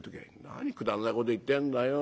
「何くだらないこと言ってんだよ。